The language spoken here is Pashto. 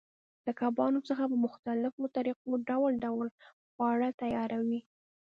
له کبانو څخه په مختلفو طریقو ډول ډول خواړه تیاروي.